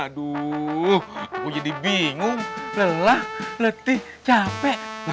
aduh gua jadi bingung lelah letih capek